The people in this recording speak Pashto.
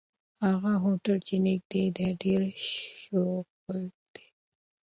هغه هوټل چې نږدې دی، ډېر شلوغ دی.